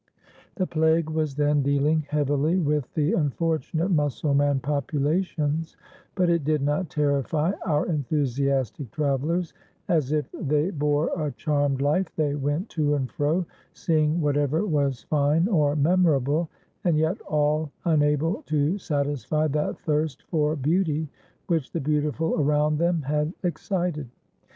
The plague was then dealing heavily with the unfortunate Mussulman populations, but it did not terrify our enthusiastic travellers; as if they bore a charmed life, they went to and fro, seeing whatever was fine or memorable, and yet all unable to satisfy that thirst for beauty which the beautiful around them had excited.